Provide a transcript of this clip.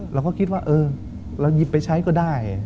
เราก็คิดว่าเออเราหยิบไปใช้ก็ได้